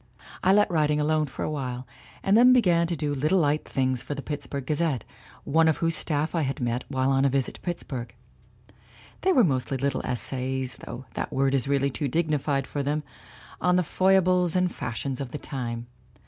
I let writing alone for a while, and then be gan doing little light things for the Pittsburgh Ga zette, one of whose staff I had met while on a visit to Pittsburgh. They were mostly little essays though that word is really too dignified for them on the foibles and fashions of the time.